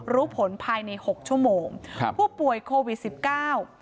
รู้ผลภายในหกชั่วโมงครับผู้ป่วยโควิดสิบเก้า